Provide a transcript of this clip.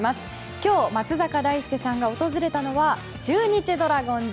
今日、松坂大輔さんが訪れたのは中日ドラゴンズ。